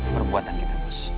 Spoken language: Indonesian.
perbuatan kita bos